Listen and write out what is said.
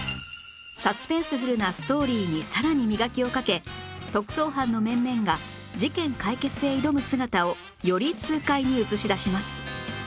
サスペンスフルなストーリーにさらに磨きをかけ特捜班の面々が事件解決へ挑む姿をより痛快に映し出します